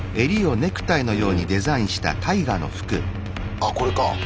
あこれか。